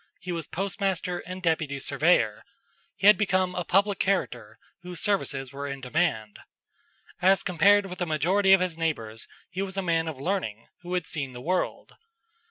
He was postmaster and deputy surveyor. He had become a public character whose services were in demand. As compared with the majority of his neighbors, he was a man of learning who had seen the world.